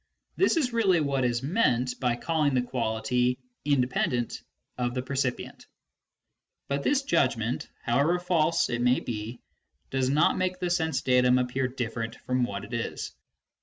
This is really what is meant by calling the quality " independent " of the perci pient. But this judgment, however false it may be, does not make the sense datum appear different from what it is.